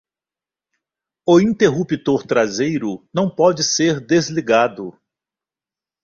O interruptor traseiro não pode ser desligado.